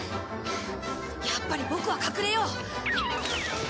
やっぱりボクは隠れよう。